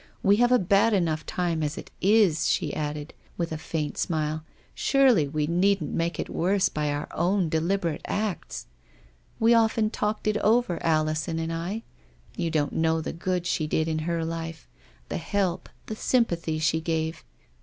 We have a bad enough time as it is," she added" with* a faint smile ; a surely we needn't make it worse by our own deliberate acts ! We often talked it all over, Alison and I. You don't know the good she did in her life, the IN WHICH CIVILISATION TRIUMPHS. 305 help, the sympathy she gave.